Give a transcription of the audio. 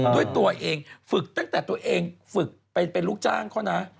ด้วยตัวเองฝึกตั้งแต่ตัวเองฝึกเป็นลูกจ้างเขานะ